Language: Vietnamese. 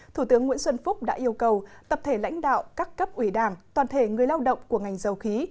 thủ tướng nguyễn xuân phúc đã yêu cầu tập thể lãnh đạo các cấp ủy đảng toàn thể người lao động của ngành dầu khí